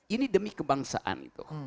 ini demi kebangsaan